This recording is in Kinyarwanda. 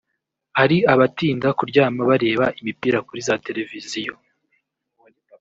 hari abatinda kuryama bareba imipira kuri za televiziyo